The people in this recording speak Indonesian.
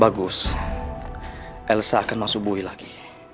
bagus elsa akan masuk bui lagi